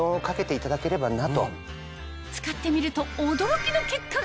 使ってみると驚きの結果が！